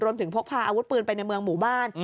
พกพาอาวุธปืนไปในเมืองหมู่บ้าน